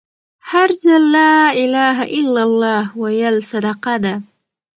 هر ځل لا إله إلا لله ويل صدقه ده